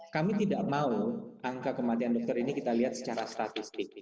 kami tidak mau angka kematian dokter ini kita lihat secara statistik